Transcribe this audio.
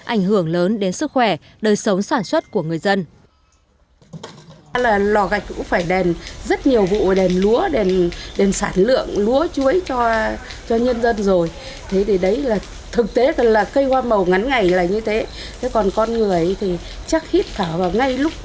ảnh hưởng lớn đến sức khỏe đời sống sản xuất của người dân